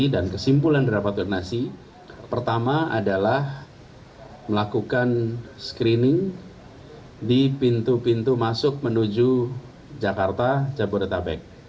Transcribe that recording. dan kesimpulan rapat koordinasi pertama adalah melakukan screening di pintu pintu masuk menuju jakarta jabodetabek